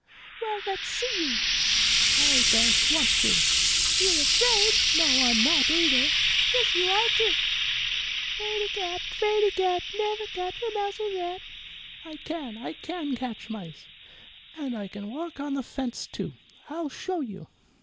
"Well, let's see you." "I don't want to." "You're afraid." "No, I'm not, either." "Yes, you are, too." "Fraidy cat! Fraidy cat! Never catch a mouse or rat." "I can; I can catch mice. And I can walk on the fence, too. I'll show you."